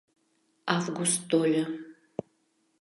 Август тольо.